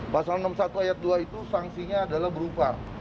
pasal enam puluh satu ayat dua itu sanksinya adalah berupa